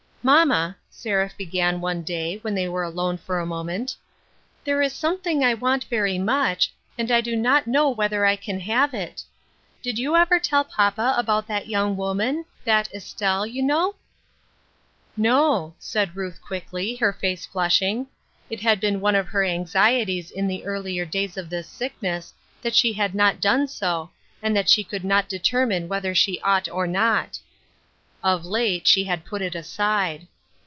" Mamma," Seraph began one day when they were alone for a moment, " there is something I want very much, and I do not know whether I can have it. Did you ever tell papa about that young woman — that Estelle, you know ?"" No," said Ruth quickly, her face flushing. It had been one of her anxieties in the earlier days of this sickness that she had not done so, and that she could not determine whether she ought or not ; of late, she had put it aside.